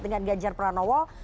dengan ganjar pranowo